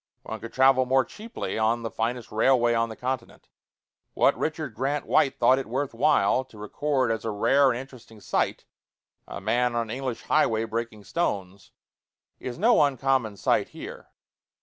One could travel more cheaply on the finest railway on the continent. What Richard Grant White thought it worth while to record as a rare and interesting sight a man on an English highway breaking stones is no uncommon sight here.